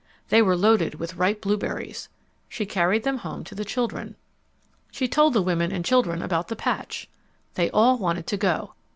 They were loaded with ripe blueberries. She carried them home to the children. She told the women and children about the patch. They all wanted to go.